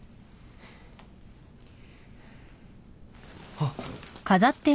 あっ。